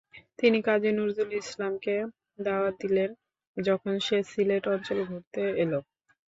তিনি কাজী নজরুল ইসলামকে দাওয়াত দিলেন যখন সে সিলেট অঞ্চল ঘুরতে এলো।